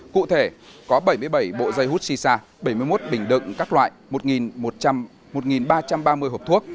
cụ thể có bảy mươi bảy bộ dây hút shisha bảy mươi một bình đựng các loại một ba trăm ba mươi hộp thuốc